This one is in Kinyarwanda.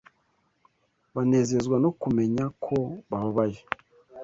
Banezezwa no kumenya ko babaye